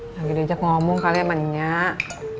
lagi diajak ngomong kalian banyak